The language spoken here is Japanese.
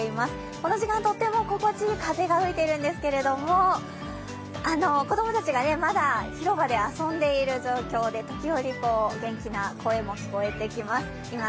この時間、とっても心地いい風が吹いてるんですけれども子供たちがまだ広場で遊んでいる状況で、時折、元気な声も聞こえてきます。